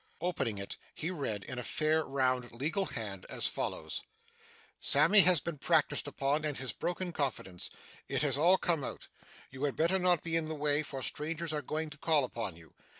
Opening it, he read, in a fair, round, legal hand, as follows: 'Sammy has been practised upon, and has broken confidence. It has all come out. You had better not be in the way, for strangers are going to call upon you.